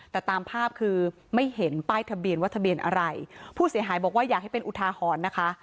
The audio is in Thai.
แต่ตามภาพคือไม่เห็นป้ายทะเบียนว่าทะเบียนอะไรผู้เสียหายบอกว่าอยากให้เป็นอุทาหรณ์นะคะ